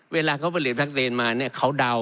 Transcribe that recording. เวลาเขาผลิตวัคซีนมาเนี่ยเขาเดา